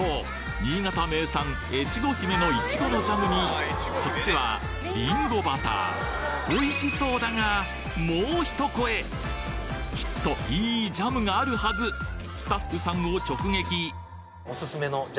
新潟名産越後姫のいちごのジャムにこっちはりんごバターおいしそうだがもう一声きっといいジャムがあるはずなにっ！